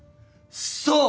そう！